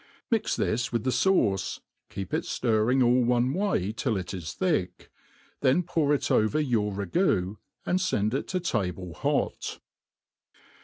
Mix this with the fauce, keep it flirring all one way till it is thick ; then pour it over your ragoo, and fend it to table hot.